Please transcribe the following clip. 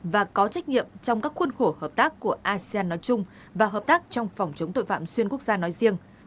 và có trách nhiệm trong các khuôn khổ hợp tác của asean nói chung và hợp tác trong phòng chống tội phạm xuyên quốc gia nói riêng